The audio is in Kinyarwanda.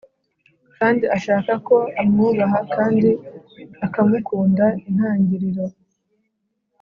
kandi ashaka ko umwubaha kandi ukamukunda Intangiriro